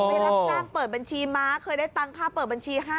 ไปรับจ้างเปิดบัญชีม้าเคยได้ตังค่าเปิดบัญชี๕๐๐